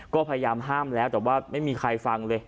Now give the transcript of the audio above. ก็พยายามห้ามแล้วแต่ว่าไม่มีใครฟังเลย